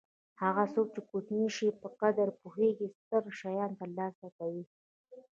هغه څوک چې د کوچني شي په قدر پوهېږي ستر شیان ترلاسه کوي.